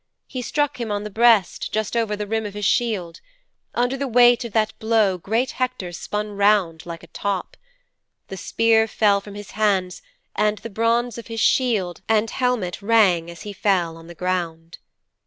He struck him on the breast, just over the rim of his shield. Under the weight of that blow great Hector spun round like a top. The spear fell from his hands and the bronze of his shield and helmet rang as he fell on the ground.'